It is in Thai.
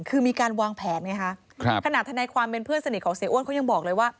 คือมีการวางแผนไงคะขนาดทนายความเป็นเพื่อนสนิทของเสียอ้วนเขายังบอกเลยว่า